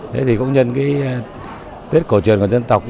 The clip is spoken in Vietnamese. thế thì cũng nhân cái tết cổ truyền của dân tộc